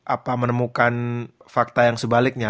apa menemukan fakta yang sebaliknya